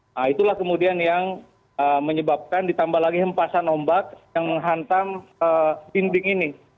nah itulah kemudian yang menyebabkan ditambah lagi hempasan ombak yang menghantam dinding ini